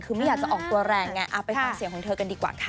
คือไม่อยากจะออกตัวแรงไงไปฟังเสียงของเธอกันดีกว่าค่ะ